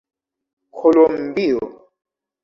kolombio